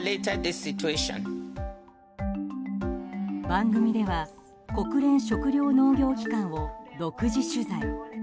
番組では国連食糧農業機関を独自取材。